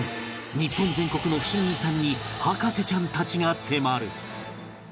日本全国のふしぎ遺産に博士ちゃんたちが迫る